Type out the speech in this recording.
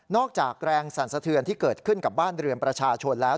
จากแรงสั่นสะเทือนที่เกิดขึ้นกับบ้านเรือนประชาชนแล้ว